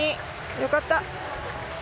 よかった。